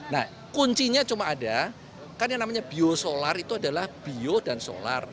nah kuncinya cuma ada kan yang namanya biosolar itu adalah bio dan solar